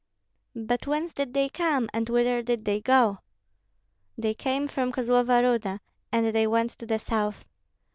"But whence did they come, and whither did they go?" "They came from Kozlova Ruda, and they went to the south.